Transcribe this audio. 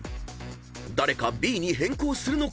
［誰かＢに変更するのか？］